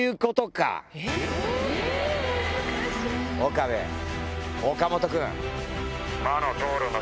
岡部岡本君。